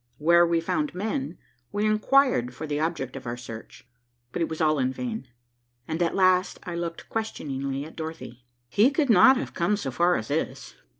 Where we found men, we inquired for the object of our search, but it was all in vain, and at last I looked questioningly at Dorothy. "He could not have come so far as this."